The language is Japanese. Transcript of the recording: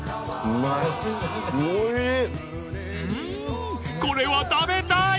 ［うーんこれは食べたい！］